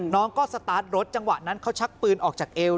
น้องก็สตาร์ทรถจังหวะนั้นเขาชักปืนออกจากเอว